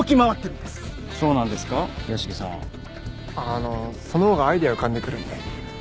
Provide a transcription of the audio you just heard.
あのそのほうがアイデア浮かんでくるんで。